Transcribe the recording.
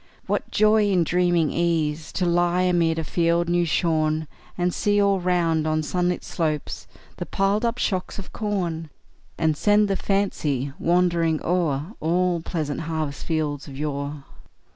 What joy in dreaming ease to lie Amid a field new shorn; And see all round, on sunlit slopes, The piled up shocks of corn; And send the fancy wandering o'er All pleasant harvest fields of yore!